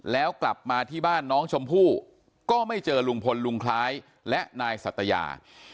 แล้วกลับมาที่บ้านน้องชมพู่ก็ไม่เจอลุงพลลุงคล้ายและนายสัตยา